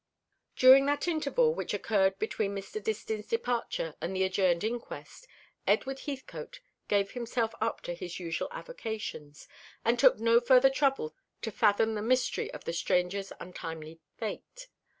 During that interval which occurred between Mr. Distin's departure and the adjourned inquest, Edward Heathcote gave himself up to his usual avocations, and took no further trouble to fathom the mystery of the stranger's untimely fate.